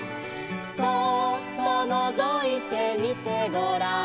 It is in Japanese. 「そーっとのぞいてみてごらん」